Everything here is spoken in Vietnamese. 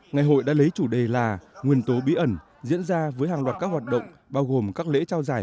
ngày hội đã lấy chủ đề là nguyên tố bí ẩn diễn ra với hàng loạt các hoạt động bao gồm các lễ trao giải